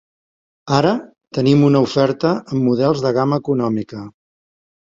Ara, tenim una oferta amb models de gamma econòmica.